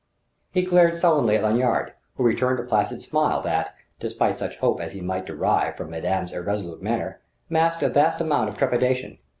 He glared sullenly at Lanyard; who returned a placid smile that (despite such hope as he might derive from madame's irresolute manner) masked a vast amount of trepidation.